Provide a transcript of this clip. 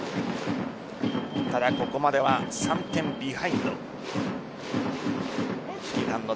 ただ、ここまでは３点ビハインド。